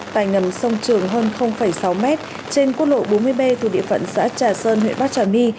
tại ngầm sông trường hơn sáu m trên quốc lộ bốn mươi b thuộc địa phận xã trà sơn huyện bắc trà my